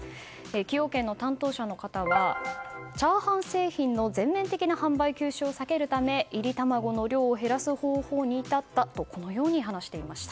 崎陽軒の担当者の方はチャーハン製品の全面的な販売休止を避けるため炒りたまごの量を減らす方法に至ったと話していました。